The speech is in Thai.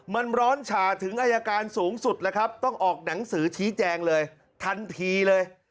มันร้อนฉาถึงอายการสูงสุดแล้วครับต้องออกหนังสือชี้แจงเลยทันทีเลย